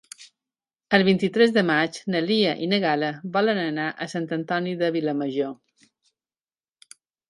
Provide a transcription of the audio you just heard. El vint-i-tres de maig na Lia i na Gal·la volen anar a Sant Antoni de Vilamajor.